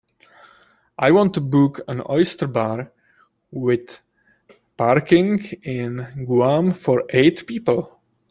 I want to book an oyster bar wit parking in Guam for eight people.